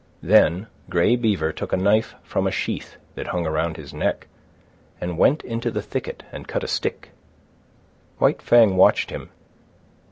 Then Grey Beaver took a knife from a sheath that hung around his neck, and went into the thicket and cut a stick. White Fang watched him.